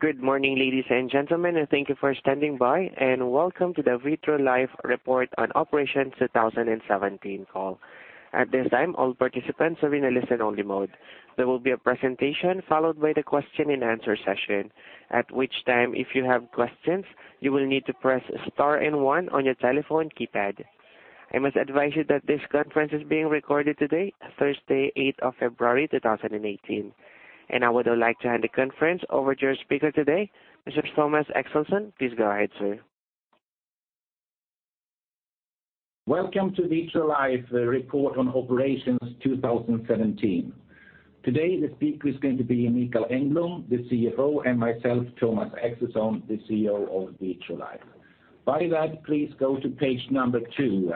Good morning, ladies and gentlemen, thank you for standing by, welcome to the Vitrolife Report on Operations 2017 call. At this time, all participants are in a listen-only mode. There will be a presentation, followed by the question-and-answer session, at which time, if you have questions, you will need to press star and one on your telephone keypad. I must advise you that this conference is being recorded today, Thursday, February 8, 2018. I would now like to hand the conference over to your speaker today, Mr. Thomas Axelsson. Please go ahead, sir. Welcome to Vitrolife, the Report on Operations 2017. Today, the speaker is going to be Mikael Engblom, the CFO, and myself, Thomas Axelsson, the CEO of Vitrolife. Please go to page number two,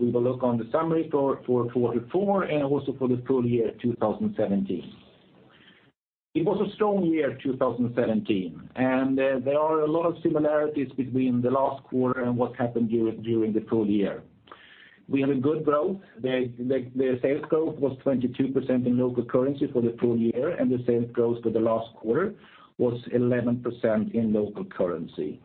we will look on the summary for quarter four and also for the full year 2017. It was a strong year, 2017, there are a lot of similarities between the last quarter and what happened during the full year. We had a good growth. The sales growth was 22% in local currency for the full year, the sales growth for the last quarter was 11% in local currency.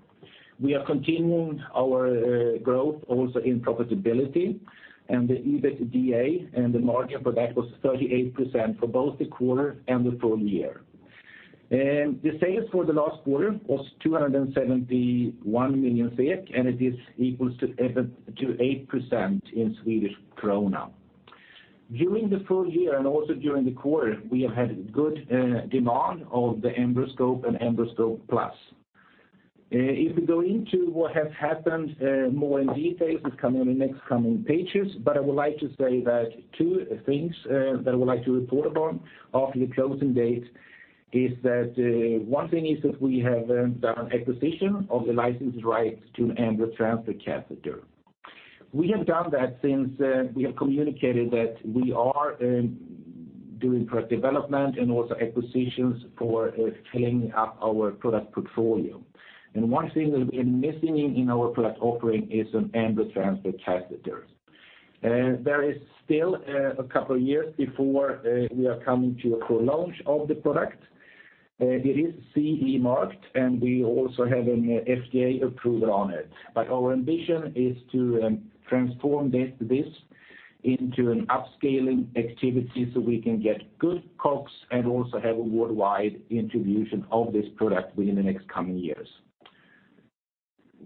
We are continuing our growth also in profitability, the EBITDA and the margin for that was 38% for both the quarter and the full year. The sales for the last quarter was 271 million, and it is equals to 7%-8% in Swedish krona. During the full year and also during the quarter, we have had good demand of the EmbryoScope and EmbryoScope+. If we go into what has happened more in detail, it come in the next coming pages, but I would like to say that two things that I would like to report upon after the closing date is that one thing is that we have done acquisition of the license rights to EmbryoCath. We have done that since we have communicated that we are doing product development and also acquisitions for filling up our product portfolio. One thing that we've been missing in our product offering is an EmbryoCath. There is still a couple of years before we are coming to a full launch of the product. It is CE marked, and we also have an FDA approval on it. Our ambition is to transform this into an upscaling activity, so we can get good COGS and also have a worldwide introduction of this product within the next coming years.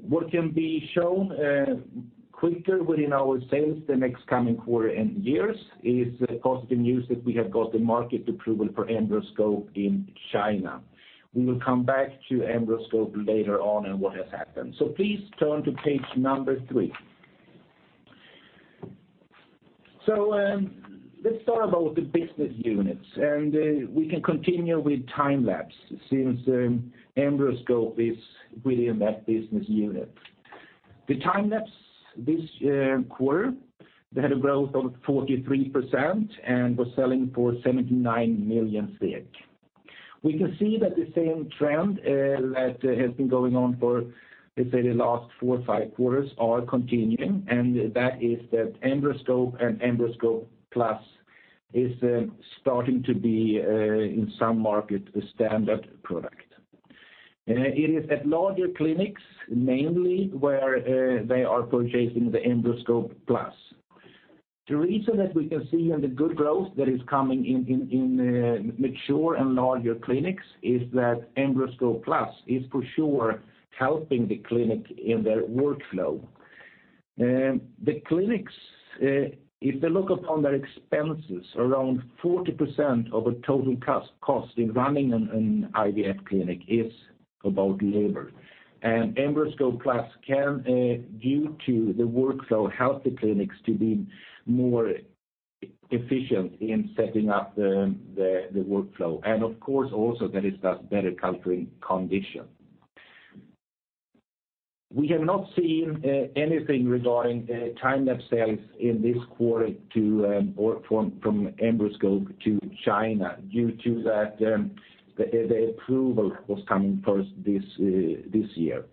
What can be shown quicker within our sales the next coming quarter and years is the positive news that we have got the market approval for EmbryoScope in China. We will come back to EmbryoScope later on and what has happened. Please turn to page number three. Let's start about the business units, and we can continue with Time-lapse, since EmbryoScope is within that business unit. The Time-lapse, this quarter, they had a growth of 43% and was selling for 79 million. We can see that the same trend that has been going on for, let's say, the last four or five quarters are continuing, and that is that EmbryoScope and EmbryoScope+ is starting to be in some markets, the standard product. It is at larger clinics, mainly, where they are purchasing the EmbryoScope+. The reason that we can see in the good growth that is coming in mature and larger clinics is that EmbryoScope+ is for sure helping the clinic in their workflow. The clinics, if they look upon their expenses, around 40% of the total cost in running an IVF clinic is about labor. EmbryoScope+ can, due to the workflow, help the clinics to be more efficient in setting up the workflow, and of course, also that it does better culturing condition. We have not seen anything regarding Time-lapse sales in this quarter to, or from EmbryoScope to China, due to that the approval was coming first this year.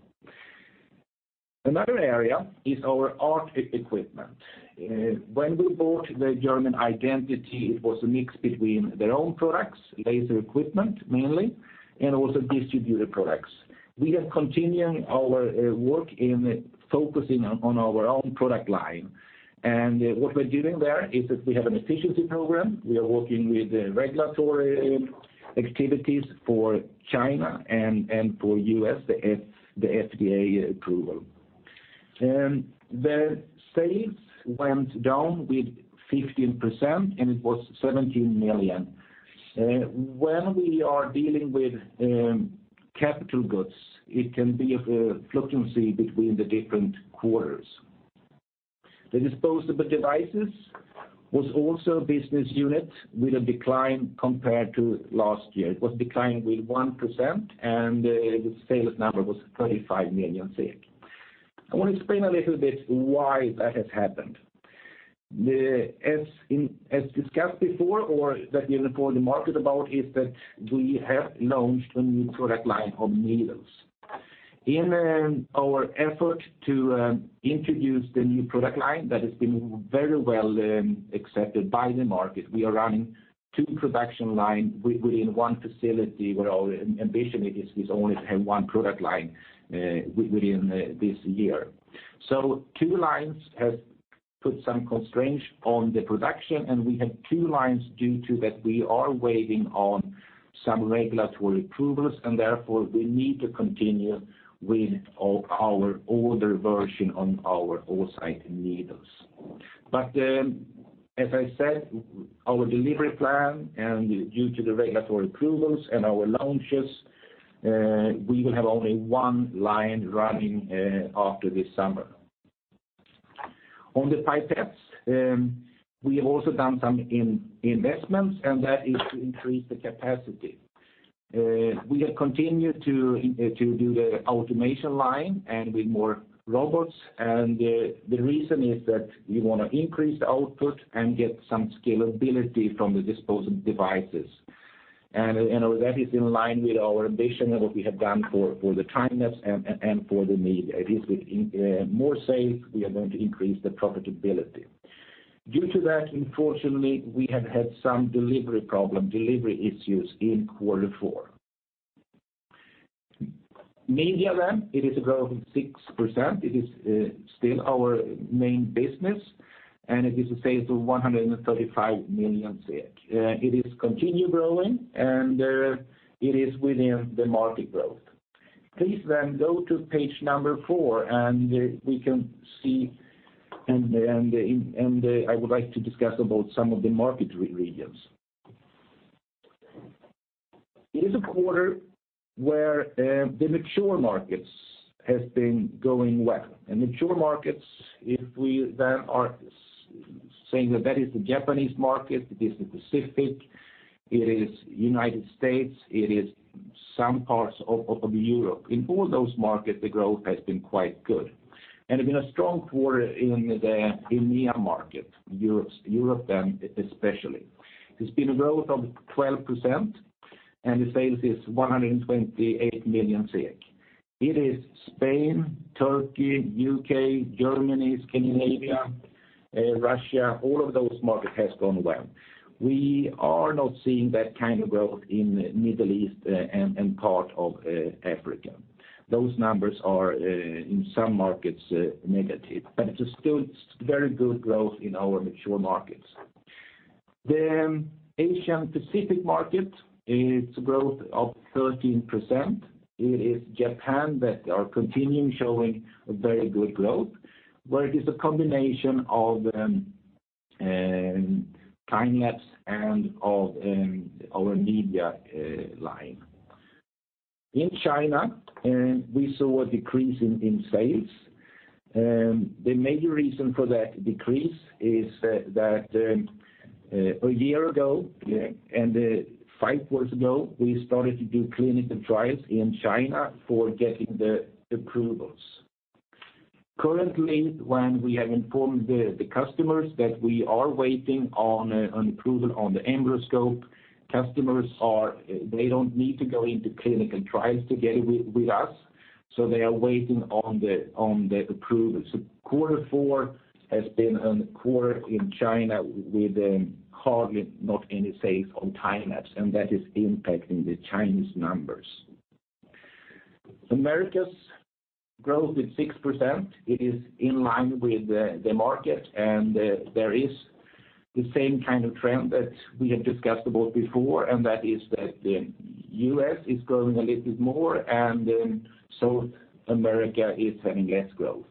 Another area is our ART equipment. When we bought the German OCTAX, it was a mix between their own products, laser equipment mainly, and also distributor products. We are continuing our work in focusing on our own product line. What we're doing there is that we have an efficiency program. We are working with the regulatory activities for China and for U.S., the FDA approval. The sales went down with 15%, and it was 17 million. When we are dealing with capital goods, it can be a fluctuation between the different quarters. The disposable devices was also a business unit with a decline compared to last year. It was declined with 1%, and the sales number was 35 million. I want to explain a little bit why that has happened. As discussed before, or that we informed the market about, is that we have launched a new product line of needles. In our effort to introduce the new product line that has been very well accepted by the market, we are running two production line within one facility, where our ambition is only to have one product line within this year. Two lines has put some constraints on the production, and we have two lines due to that we are waiting on some regulatory approvals, and therefore, we need to continue with our older version on our oocyte needles. As I said, our delivery plan, and due to the regulatory approvals and our launches, we will have only one line running after this summer. On the pipettes, we have also done some investments, and that is to increase the capacity. We have continued to do the automation line and with more robots, and the reason is that we want to increase the output and get some scalability from the disposable devices. That is in line with our ambition and what we have done for the Time-lapse and for the need. It is with more sales, we are going to increase the profitability. Due to that, unfortunately, we have had some delivery problem, delivery issues in quarter four. Media, it is growing 6%. It is still our main business, and it is the sales of 135 million. It is continue growing, and it is within the market growth. Please go to page four, and we can see, and I would like to discuss about some of the market regions. It is a quarter where the mature markets has been going well, and mature markets, if we then are saying that that is the Japanese market, it is the Pacific, it is United States, it is some parts of Europe. In all those markets, the growth has been quite good. It's been a strong quarter in the EMEA market, Europe then especially. It's been a growth of 12%, and the sales is 128 million SEK. It is Spain, Turkey, UK, Germany, Scandinavia, Russia, all of those markets has gone well. We are not seeing that kind of growth in Middle East, and part of Africa. Those numbers are in some markets negative, but it is still very good growth in our mature markets. The Asian Pacific market, it's growth of 13%. It is Japan that are continuing showing a very good growth, where it is a combination of time-lapse and of our media line. In China, we saw a decrease in sales. The major reason for that decrease is that a year ago, five quarters ago, we started to do clinical trials in China for getting the approvals. Currently, when we have informed the customers that we are waiting on approval on the EmbryoScope, customers are, they don't need to go into clinical trials together with us, so they are waiting on the approvals. Quarter four has been a quarter in China with hardly not any sales on time-lapse, that is impacting the Chinese numbers. Americas growth is 6%. It is in line with the market, there is the same kind of trend that we have discussed about before, that is that the U.S. is growing a little bit more, South America is having less growth.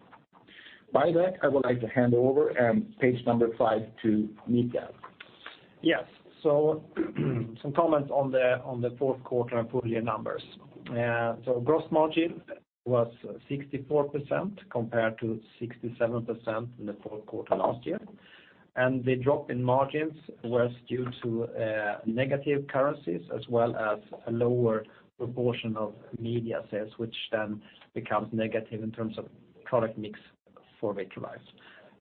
By that, I would like to hand over, page number five to Mikael. Yes, some comments on the fourth quarter and full year numbers. Gross margin was 64% compared to 67% in the fourth quarter last year, and the drop in gross margins was due to negative currencies, as well as a lower proportion of media sales, which then becomes negative in terms of product mix for Vitrolife.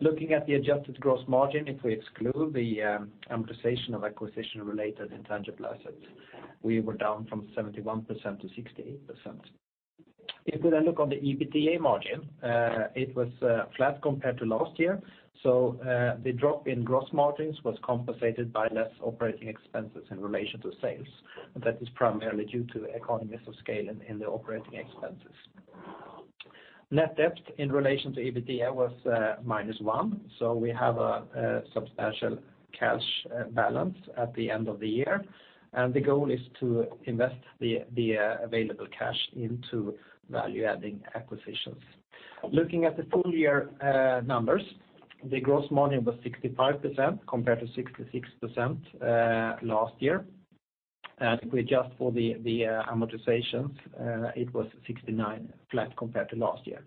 Looking at the adjusted gross margin, if we exclude the amortization of acquisition-related intangible assets, we were down from 71% to 68%. If we then look on the EBITDA margin, it was flat compared to last year. The drop in gross margins was compensated by less OpEx in relation to sales. That is primarily due to economies of scale in the OpEx. Net debt in relation to EBITDA was -1. We have a substantial cash balance at the end of the year, and the goal is to invest the available cash into value-adding acquisitions. Looking at the full year numbers, the gross margin was 65% compared to 66% last year. If we adjust for the amortizations, it was 69%, flat compared to last year.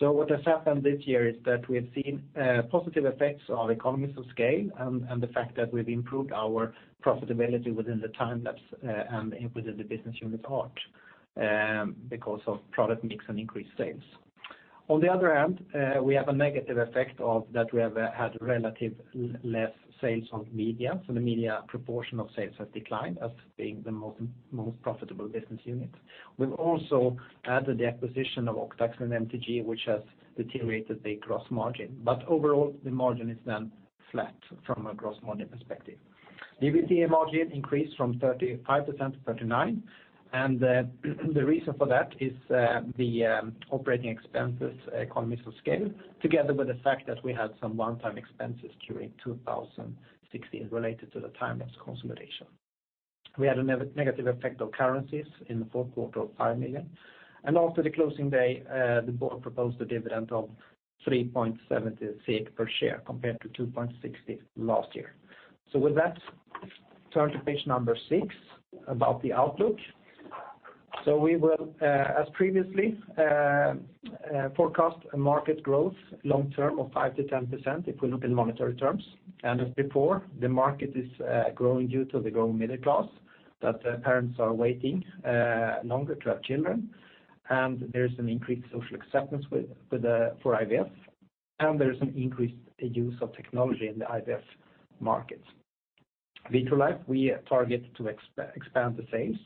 What has happened this year is that we've seen positive effects of economies of scale and the fact that we've improved our profitability within the time-lapse and within the business unit ART because of product mix and increased sales. On the other hand, we have a negative effect of that we have had relative less sales on media. The media proportion of sales has declined as being the most profitable business unit. We've also added the acquisition of OCTAX and MTG, which has deteriorated the gross margin. Overall, the margin is then flat from a gross margin perspective. EBITDA margin increased from 35% to 39%, the reason for that is the operating expenses, economies of scale, together with the fact that we had some one-time expenses during 2016 related to the Time-lapse consolidation. We had a negative effect of currencies in the fourth quarter of 5 million, after the closing day, the board proposed a dividend of 3.70 SEK per share, compared to 2.60 SEK last year. With that, turn to page six, about the outlook. We will, as previously, forecast a market growth long term of 5%-10% if we look in monetary terms. As before, the market is growing due to the growing middle class, that parents are waiting longer to have children, and there is an increased social acceptance with for IVF, and there is an increased use of technology in the IVF markets. Vitrolife, we target to expand the sales.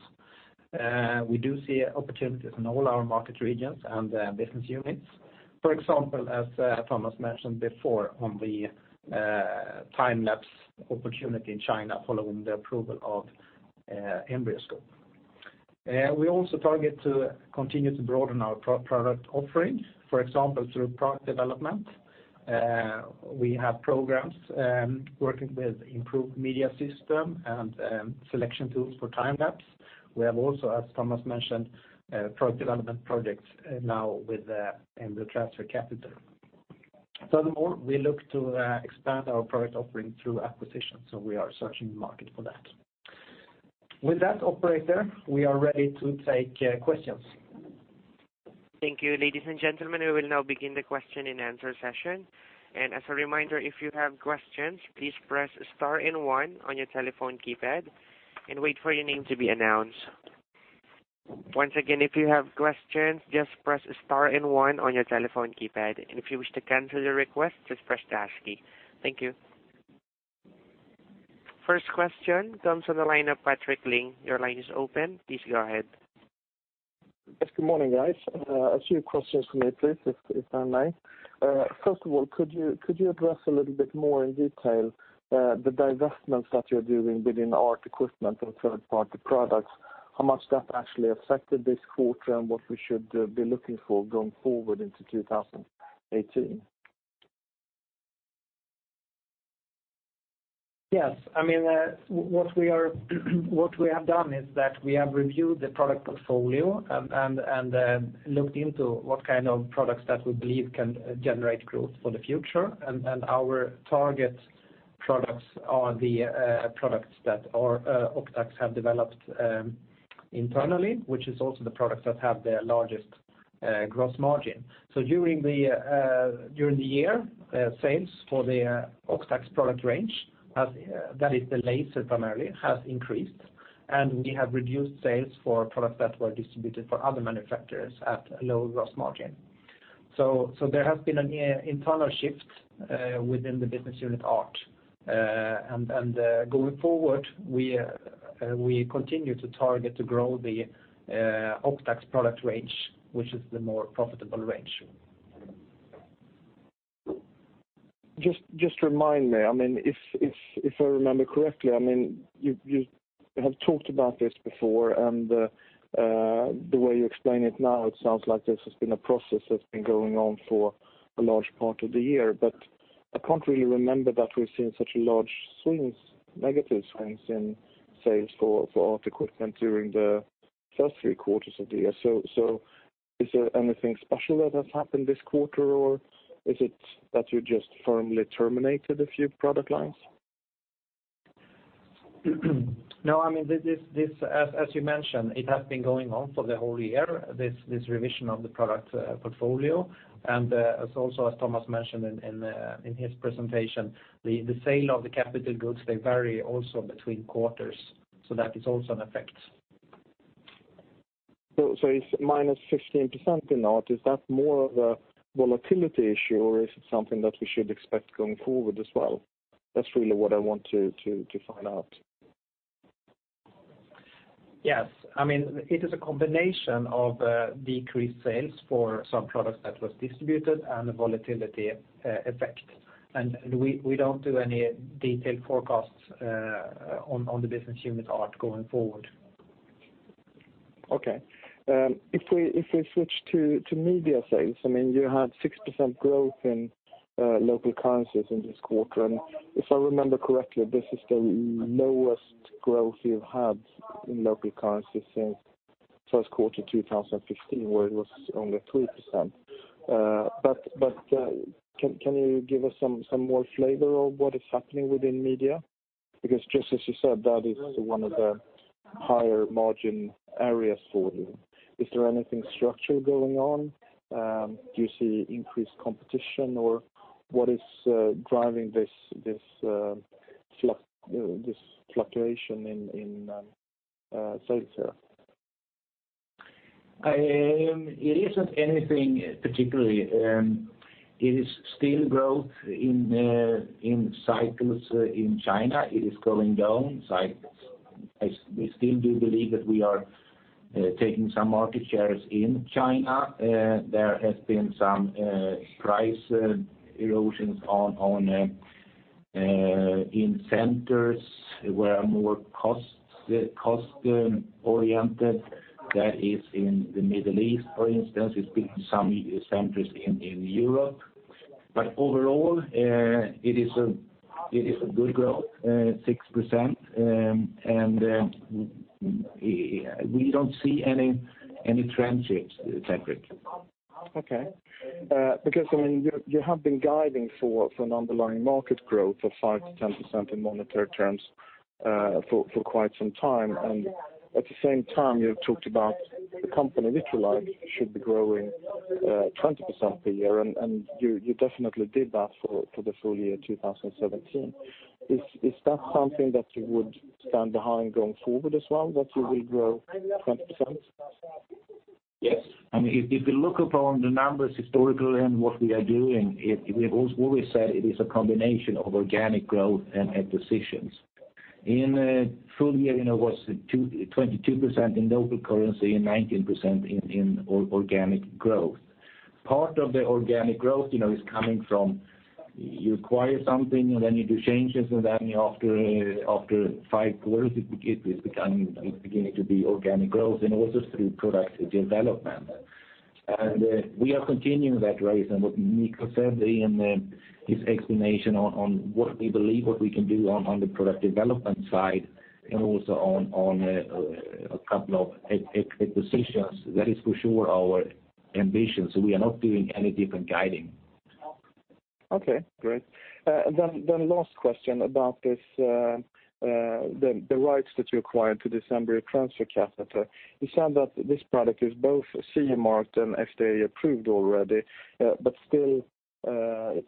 We do see opportunities in all our market regions and business units. For example, as Thomas mentioned before on the Time-lapse opportunity in China, following the approval of EmbryoScope. We also target to continue to broaden our product offering, for example, through product development. We have programs working with improved media system and selection tools for Time-lapse. We have also, as Thomas mentioned, product development projects, now with, EmbryoCath. We look to expand our product offering through acquisitions, we are searching the market for that. With that, operator, we are ready to take questions. Thank you, ladies and gentlemen. We will now begin the question-and-answer session. As a reminder, if you have questions, please press star one on your telephone keypad and wait for your name to be announced. Once again, if you have questions, just press star one on your telephone keypad, if you wish to cancel your request, just press the hask key. Thank you. First question comes from the line of Patrick Ling. Your line is open. Please go ahead. Yes, good morning, guys. A few questions for me, please, if I may. First of all, could you address a little bit more in detail, the divestments that you're doing within ART equipment and third-party products, how much that actually affected this quarter and what we should be looking for going forward into 2018? Yes. I mean, what we have done is that we have reviewed the product portfolio and looked into what kind of products that we believe can generate growth for the future. Our target products are the products that our OCTAX have developed internally, which is also the products that have the largest gross margin. During the year, sales for the OCTAX product range, as that is the laser primarily, has increased, and we have reduced sales for products that were distributed for other manufacturers at a low gross margin. There has been an internal shift within the business unit ART. Going forward, we continue to target to grow the OCTAX product range, which is the more profitable range. Just remind me, I mean, if I remember correctly, I mean, you have talked about this before, and the way you explain it now, it sounds like this has been a process that's been going on for a large part of the year. I can't really remember that we've seen such large swings, negative swings in sales for ART equipment during the first three quarters of the year. Is there anything special that has happened this quarter, or is it that you just firmly terminated a few product lines? No, I mean, this, as you mentioned, it has been going on for the whole year, this revision of the product portfolio. As also as Thomas mentioned in his presentation, the sale of the capital goods, they vary also between quarters, so that is also an effect. It's -15% in ART. Is that more of a volatility issue, or is it something that we should expect going forward as well? That's really what I want to find out. Yes. I mean, it is a combination of decreased sales for some products that was distributed and a volatility effect. We don't do any detailed forecasts on the business unit ART going forward. Okay. If we switch to media sales, I mean, you had 6% growth in local currencies in this quarter, if I remember correctly, this is the lowest growth you've had in local currency since first quarter 2015, where it was only 3%. Can you give us some more flavor of what is happening within media? Because just as you said, that is one of the higher margin areas for you. Is there anything structural going on? Do you see increased competition, or what is driving this fluctuation in? It isn't anything particularly. It is still growth in cycles in China. It is going down, so I, we still do believe that we are taking some market shares in China. There has been some price erosions on, in centers where are more cost-oriented. That is in the Middle East, for instance. It's been some centers in Europe. Overall, it is a good growth, 6%, and we don't see any trend shifts, Patrick. Okay. I mean, you have been guiding for an underlying market growth of 5%-10% in monetary terms, for quite some time, and at the same time, you have talked about the company, Vitrolife, should be growing 20% per year, and you definitely did that for the full year, 2017. Is that something that you would stand behind going forward as well, that you will grow 20%? Yes. I mean, if you look upon the numbers historically and what we are doing, we have always said it is a combination of organic growth and acquisitions. In full year, you know, was 22% in local currency and 19% in organic growth. Part of the organic growth, you know, is coming from you acquire something, and then you do changes, and then after five quarters, it is becoming, it's beginning to be organic growth, and also through product development. We are continuing that race, and what Mikael said in his explanation on what we believe, what we can do on the product development side, and also on a couple of acquisitions, that is for sure our ambition. We are not doing any different guiding. Okay, great. Last question about this, the rights that you acquired to EmbryoCath. You said that this product is both CE marked and FDA approved already, but still,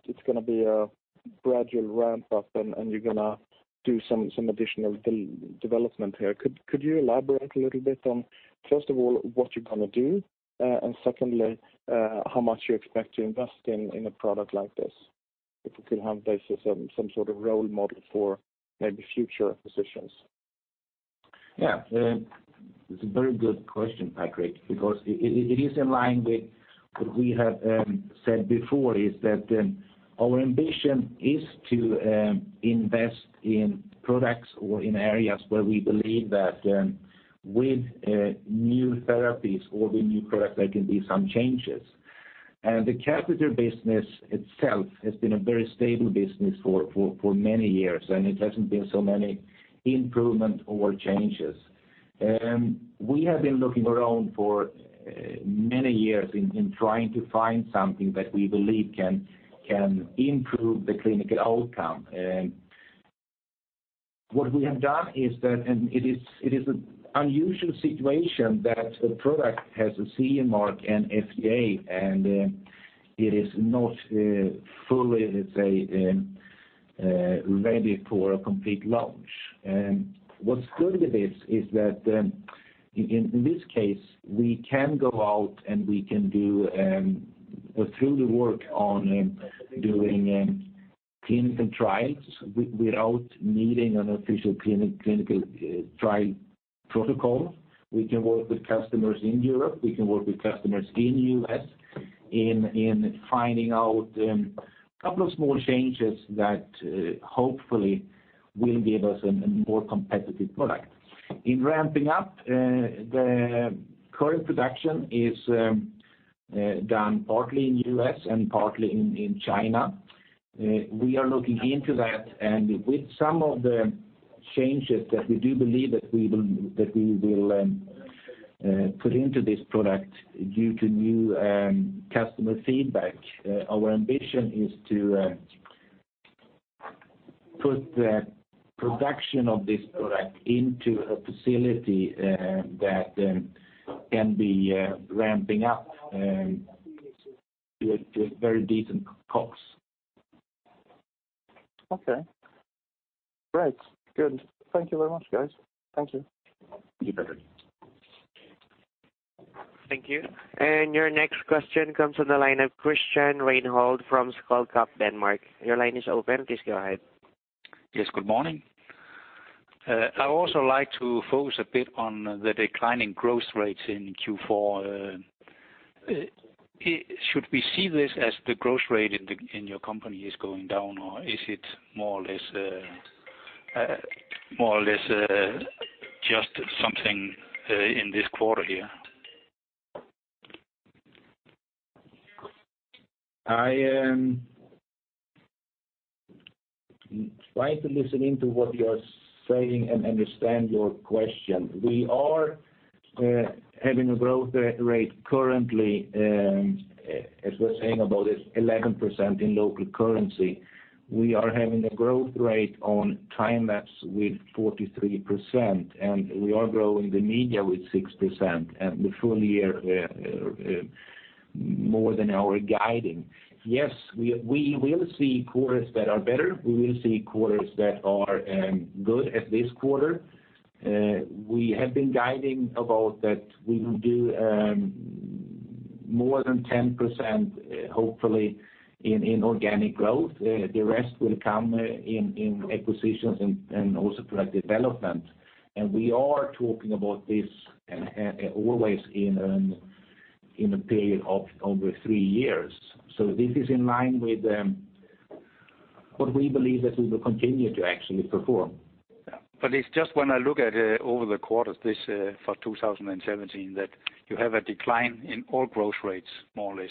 it's gonna be a gradual ramp-up, and you're gonna do some additional development here. Could you elaborate a little bit on, first of all, what you're gonna do, and secondly, how much you expect to invest in a product like this? If you could have this as some sort of role model for maybe future acquisitions? Yeah. It's a very good question, Patrick, because it is in line with what we have said before, is that our ambition is to invest in products or in areas where we believe that with new therapies or with new products, there can be some changes. The catheter business itself has been a very stable business for many years, and it hasn't been so many improvement or changes. We have been looking around for many years in trying to find something that we believe can improve the clinical outcome. What we have done is that, and it is an unusual situation, that the product has a CE mark and FDA, and it is not fully, let's say, ready for a complete launch. What's good with this, is that, in this case, we can go out, and we can do, go through the work on doing, clinical trials without needing an official clinical trial protocol. We can work with customers in Europe, we can work with customers in the U.S., in finding out, a couple of small changes that hopefully will give us a more competitive product. In ramping up, the current production is done partly in the U.S. and partly in China. We are looking into that, and with some of the changes that we do believe that we will put into this product due to new customer feedback, our ambition is to put the production of this product into a facility that can be ramping up with very decent costs. Okay. Great. Good. Thank you very much, guys. Thank you. You bet. Thank you. Your next question comes from the line of Christian Rehnberg from Danske Bank. Your line is open. Please go ahead. Yes, good morning. I also like to focus a bit on the declining growth rates in Q4. Should we see this as the growth rate in the, in your company is going down, or is it more or less, just something, in this quarter here? I am trying to listen into what you are saying and understand your question. We are having a growth rate currently, as we're saying, about 11% in local currency. We are having a growth rate on Time-lapse with 43%, and we are growing the media with 6%, the full year more than our guiding. Yes, we will see quarters that are better. We will see quarters that are good as this quarter. We have been guiding about that we will do more than 10%, hopefully, in organic growth. The rest will come in acquisitions and also product development. We are talking about this always in a period of over three years. This is in line with, what we believe that we will continue to actually perform. It's just when I look at over the quarters, this for 2017, that you have a decline in all growth rates, more or less,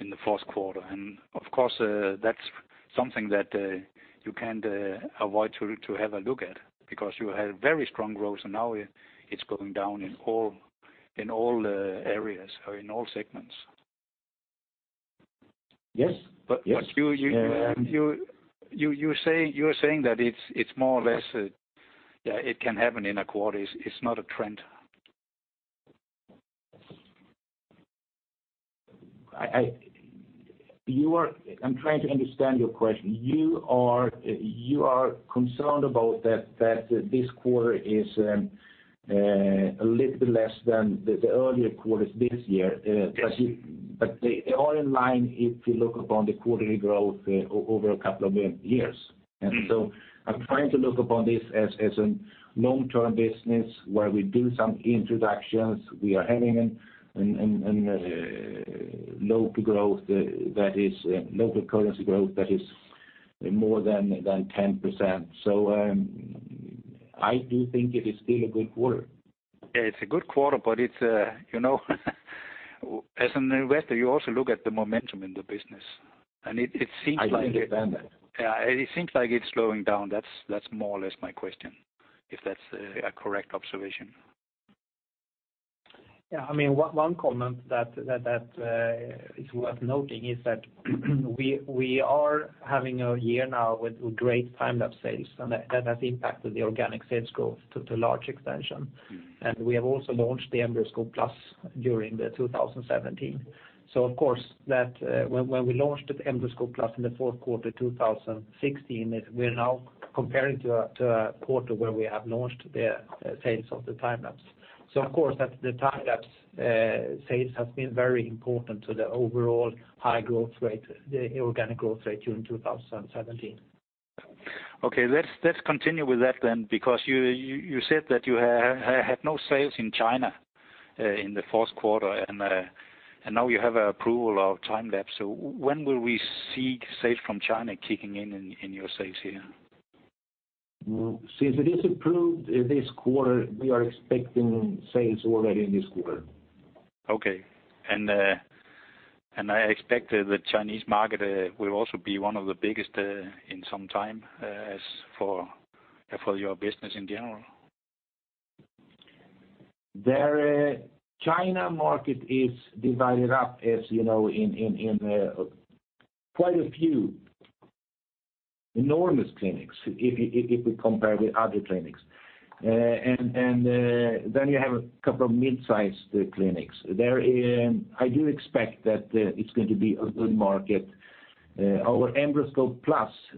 in the fourth quarter. Of course, that's something that you can't avoid to have a look at. You had very strong growth, and now it's going down in all the areas or in all segments. Yes, yes. You are saying that it's more or less, yeah, it can happen in a quarter. It's not a trend. I'm trying to understand your question. You are concerned about that this quarter is a little bit less than the earlier quarters this year. Yes. They are in line if you look upon the quarterly growth over a couple of years. Mm-hmm. I'm trying to look upon this as an long-term business, where we do some introductions. We are having a local growth, local currency growth that is more than 10%. I do think it is still a good quarter. Yeah, it's a good quarter, but it's, you know, as an investor, you also look at the momentum in the business, and it seems like I can understand that. Yeah, it seems like it's slowing down. That's more or less my question, if that's a correct observation. Yeah, I mean, one comment that is worth noting is that, we are having a year now with great Time-lapse sales, and that has impacted the organic sales growth to large extension. Mm-hmm. We have also launched the EmbryoScope+ during 2017. Of course, that, when we launched the EmbryoScope+ in the fourth quarter 2016, we're now comparing to a quarter where we have launched the sales of the Time-lapse. Of course, that's the Time-lapse sales has been very important to the overall high growth rate, the organic growth rate during 2017. Okay, let's continue with that then, because you said that you had no sales in China, in the fourth quarter, and now you have a approval of time-lapse. When will we see sales from China kicking in your sales here? Well, since it is approved this quarter, we are expecting sales already in this quarter. Okay. I expect the Chinese market will also be one of the biggest in some time as for your business in general. There, China market is divided up, as you know, in quite a few enormous clinics if we compare with other clinics. You have a couple of mid-sized clinics. There, I do expect that it's going to be a good market. Our EmbryoScope+,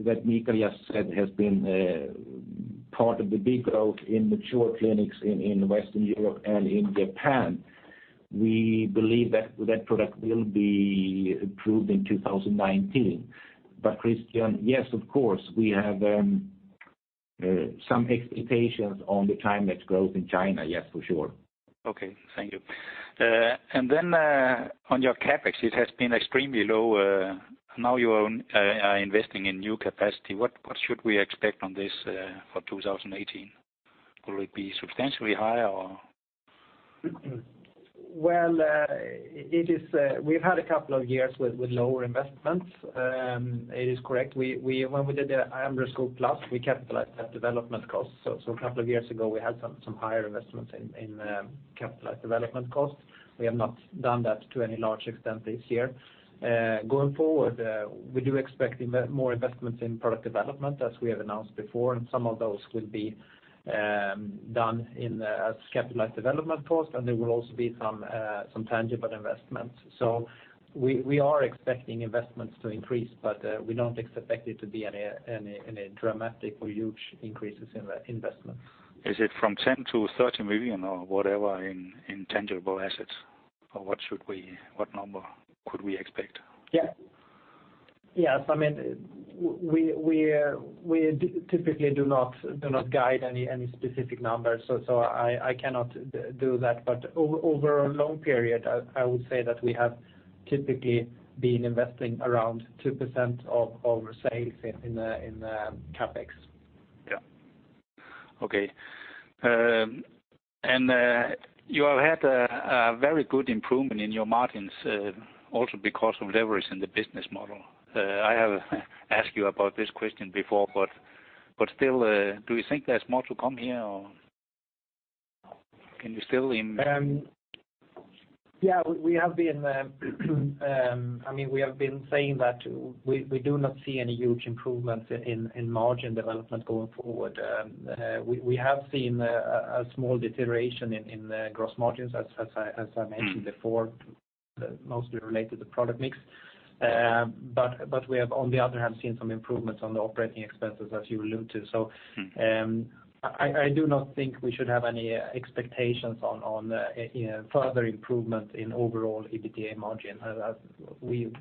that Mikael just said, has been part of the big growth in mature clinics in Western Europe and in Japan. We believe that that product will be approved in 2019. Christian, yes, of course, we have some expectations on the Time-lapse growth in China, yes, for sure. Okay, thank you. On your CapEx, it has been extremely low, now you are investing in new capacity. What should we expect on this for 2018? Will it be substantially higher or...? Well, it is. We've had a couple of years with lower investments, it is correct. We, when we did the EmbryoScope+, we capitalized that development cost. A couple of years ago, we had some higher investments in capitalized development costs. We have not done that to any large extent this year. Going forward, we do expect more investments in product development, as we have announced before, and some of those will be done as capitalized development costs, and there will also be some tangible investments. We are expecting investments to increase, but we don't expect it to be any dramatic or huge increases in the investments. Is it from 10 million-30 million or whatever in tangible assets, or what number could we expect? Yes, I mean, we typically do not guide any specific numbers, so I cannot do that. Over a long period, I would say that we have typically been investing around 2% of our sales in CapEx. Yeah. Okay. You have had a very good improvement in your margins, also because of leverage in the business model. I have asked you about this question before, but still, do you think there's more to come here, or can you still. Yeah, we have been, I mean, we have been saying that we do not see any huge improvements in margin development going forward. We have seen a small deterioration in the gross margins as I mentioned before, mostly related to product mix. We have, on the other hand, seen some improvements on the operating expenses, as you allude to. I do not think we should have any expectations on, you know, further improvement in overall EBITDA margin. I mean,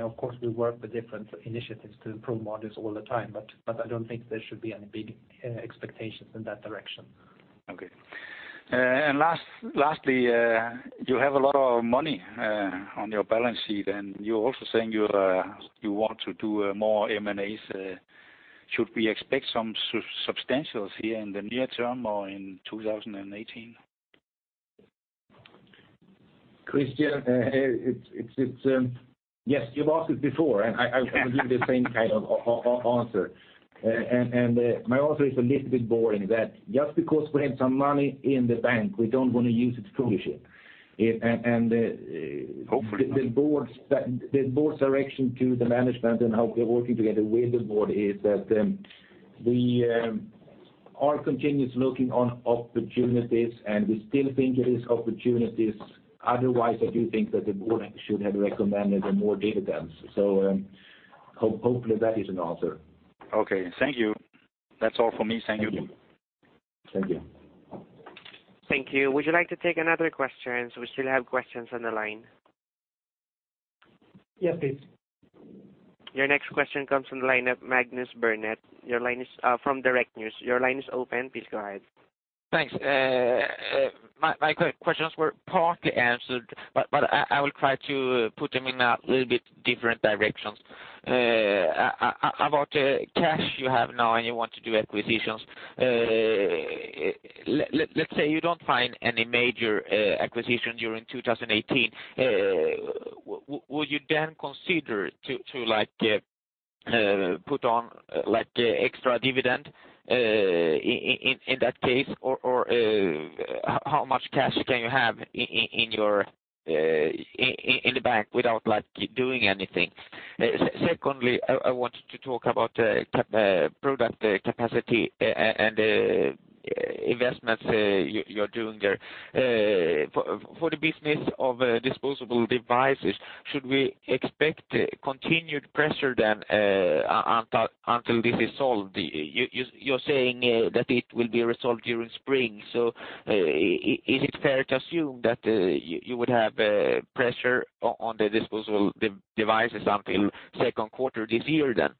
of course, we work with different initiatives to improve margins all the time, but I don't think there should be any big expectations in that direction. Okay. Lastly, you have a lot of money on your balance sheet, and you're also saying you want to do more M&As. Should we expect some substantials here in the near term or in 2018? Christian, it's, yes, you've asked it before, and I will give the same kind of answer. My answer is a little bit boring, that just because we have some money in the bank, we don't want to use it foolishly. It. Hopefully not. The board's direction to the management and how we're working together with the board is that we are continuous looking on opportunities, and we still think there is opportunities. Otherwise, I do think that the board should have recommended a more dividends. Hopefully that is an answer. Okay. Thank you. That's all for me. Thank you. Thank you. Thank you. Would you like to take another question? We still have questions on the line. Yes, please. Your next question comes from the line of Magnus Råman. Your line is from Nyhetsbyrån Direkt. Your line is open. Please go ahead. Thanks. My questions were partly answered, but I will try to put them in a little bit different directions. About the cash you have now, and you want to do acquisitions. Let's say you don't find any major acquisition during 2018, would you then consider to, like, put on, like, extra dividend in that case? How much cash can you have in your in the bank without, like, doing anything? Secondly, I wanted to talk about product capacity and investments you're doing there. For the business of disposable devices, should we expect continued pressure then until this is solved? You're saying that it will be resolved during spring. Is it fair to assume that you would have a pressure on the disposable devices until second quarter this year? To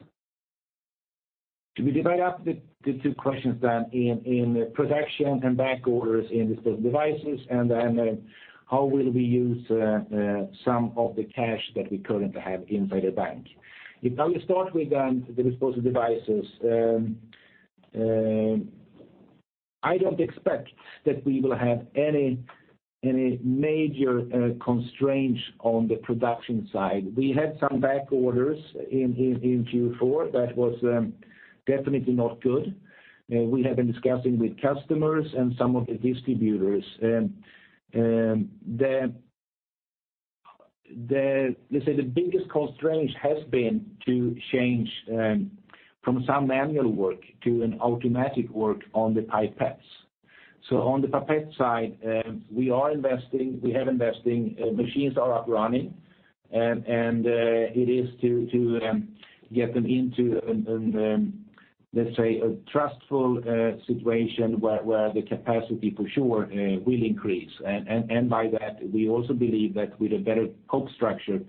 be divide up the two questions then, in production and back orders in disposable devices, and then how will we use some of the cash that we currently have inside the bank. If I will start with the disposable devices, I don't expect that we will have any major constraints on the production side. We had some back orders in Q4. That was definitely not good. We have been discussing with customers and some of the distributors, and Let's say, the biggest constraint has been to change from some manual work to an automatic work on the pipettes. On the pipette side, we are investing, we have investing, machines are up running, and it is to get them into, let's say, a trustful situation where the capacity for sure will increase. And by that, we also believe that with a better cost structure,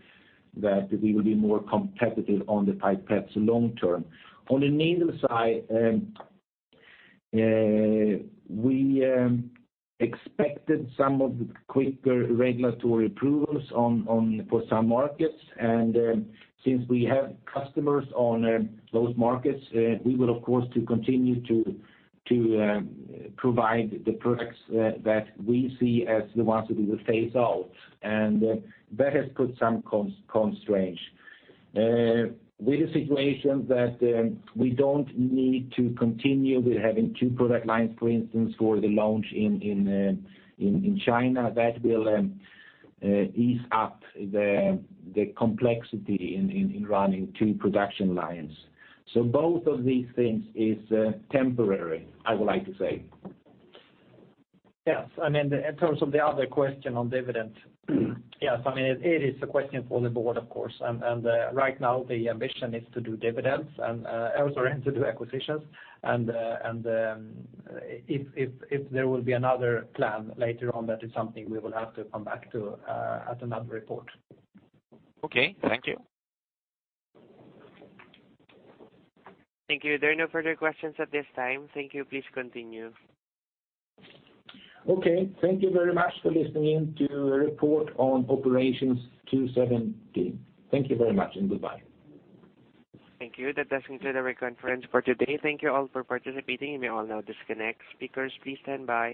that we will be more competitive on the pipettes long term. On the needle side, we expected some of the quicker regulatory approvals on for some markets, and since we have customers on those markets, we will, of course, to continue to provide the products that we see as the ones that we will phase out. That has put some constraints. With a situation that we don't need to continue with having two product lines, for instance, for the launch in, in China, that will ease up the complexity in running two production lines. Both of these things is temporary, I would like to say. Yes. I mean, in terms of the other question on dividends, yes, I mean, it is a question for the board, of course. Right now, the ambition is to do dividends and to do acquisitions. If there will be another plan later on, that is something we will have to come back to, at another report. Okay. Thank you. Thank you. There are no further questions at this time. Thank you. Please continue. Okay. Thank you very much for listening in to a report on operations 2017. Thank you very much, and goodbye. Thank you. That does conclude our conference for today. Thank you all for participating. You may all now disconnect. Speakers, please stand by.